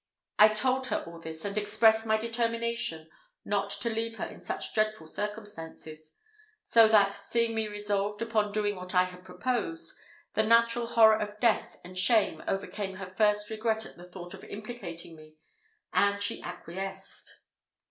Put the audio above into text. I told her all this, and expressed my determination not to leave her in such dreadful circumstances; so that, seeing me resolved upon doing what I had proposed, the natural horror of death and shame overcame her first regret at the thought of implicating me, and she acquiesced.